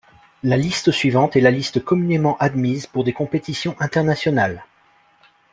La liste suivante est la liste communément admise pour des compétitions internationales.